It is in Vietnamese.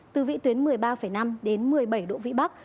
từ vị tuyến một mươi ba năm đến một mươi bảy độ vĩ bắc